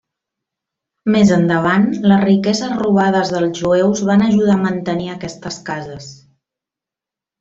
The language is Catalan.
Més endavant, les riqueses robades dels jueus van ajudar a mantenir aquestes cases.